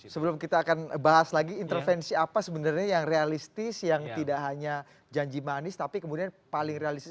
sebelum kita akan bahas lagi intervensi apa sebenarnya yang realistis yang tidak hanya janji manis tapi kemudian paling realistis